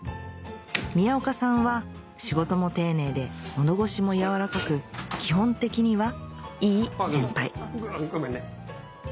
宮岡さんは仕事も丁寧で物腰も柔らかく基本的にはいい先輩ごめんね。